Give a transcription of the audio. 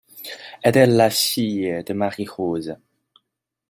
Est-elle la fille de Marie-Rose?